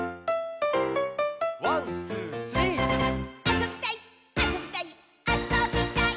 「ワンツースリー」「あそびたい！